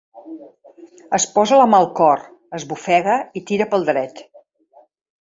Es posa la mà al cor, esbufega i tira pel dret.